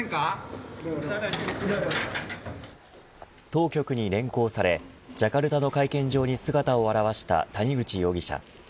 当局に連行されジャカルタの会見場に姿を現した谷口容疑者。